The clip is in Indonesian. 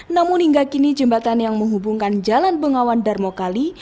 namun hingga kini jembatan yang menghubungkan jalan bengawan darmokali